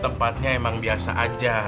tempatnya emang biasa aja